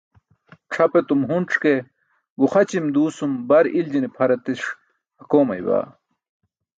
C̣ʰap etum hunc̣ ke guxaćim duusum bar iljine pʰar etis akoomayma.